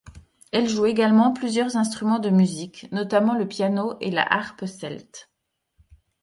Elle joue également plusieurs instruments de musique, notamment le piano et la harpe celte.